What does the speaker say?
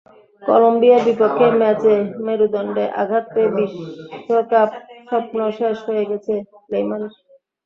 কলম্বিয়ার বিপক্ষে ম্যাচে মেরুদণ্ডে আঘাত পেয়ে বিশ্বকাপ-স্বপ্ন শেষ হয়ে গেছে নেইমারের।